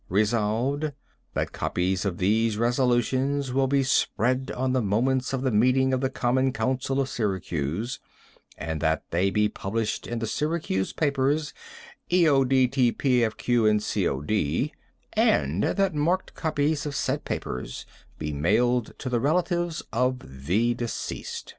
"Resolved, That copies of these resolutions will be spread on the moments of the meeting of the Common Council of Syracuse, and that they be published in the Syracuse papers eodtfpdq&cod, and that marked copies of said papers be mailed to the relatives of the deceased."